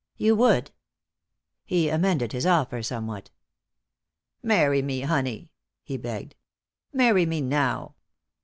"You would?" He amended his offer somewhat. "Marry me, honey," he begged. "Marry me now.